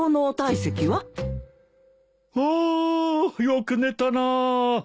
ああよく寝たな。